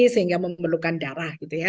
sehingga memerlukan darah